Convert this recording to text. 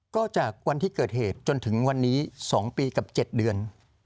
ก็จากวันที่เกิดเหตุจนถึงวันนี้๒ปีกับ๗เดือน